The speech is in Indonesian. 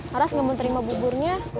laras gak mau terima buburnya